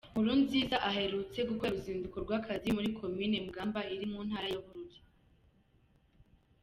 Nkurunziza aherutse gukorera uruzinduko rw’akazi muri komine Mugamba iri mu ntara ya Bururi.